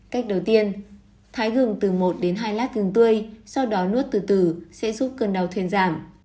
cách đầu tiên thái gừng từ một đến hai lát thường tươi sau đó nuốt từ tử sẽ giúp cơn đau thuyền giảm